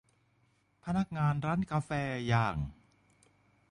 พนักงานร้านกาแฟอย่าง